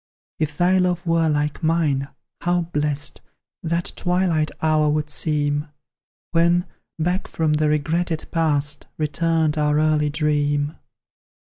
If thy love were like mine, how blest That twilight hour would seem, When, back from the regretted Past, Returned our early dream!